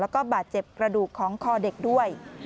แล้วก็บาดเจ็บกระดูกของคอเด็กด้วย